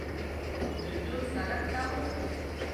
جوجو سرک ته وکتل.